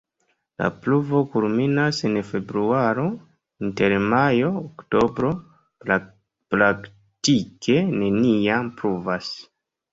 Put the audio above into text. La pluvo kulminas en februaro, inter majo-oktobro praktike neniam pluvas.